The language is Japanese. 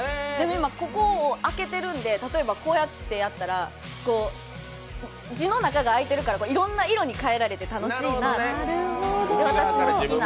ここを開けているので、こうやったら字の中で開いているからいろんな色に変えられて楽しいなと。